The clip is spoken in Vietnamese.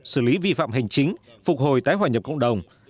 xử lý vi phạm hành chính phục hồi tái hòa nhập cộng đồng